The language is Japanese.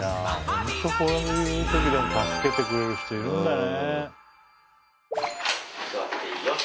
ホントこういう時でも助けてくれる人いるんだね。